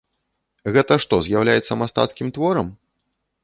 Гэта што, з'яўляецца мастацкім творам?